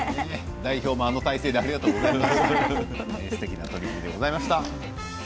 代表もあの体勢でありがとうございました。